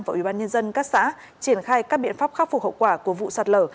và ủy ban nhân dân các xã triển khai các biện pháp khắc phục hậu quả của vụ sạt lở